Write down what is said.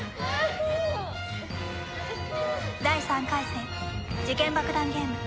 第３回戦時限爆弾ゲーム。